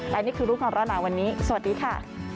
และนี่คือรูปของร้อนหนาวันนี้สวัสดีค่ะ